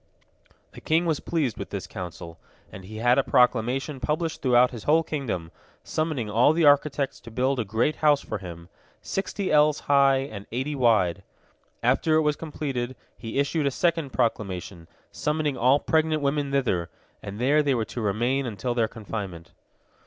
'" The king was pleased with this counsel, and he had a proclamation published throughout his whole kingdom, summoning all the architects to build a great house for him, sixty ells high and eighty wide. After it was completed, he issued a second proclamation, summoning all pregnant women thither, and there they were to remain until their confinement.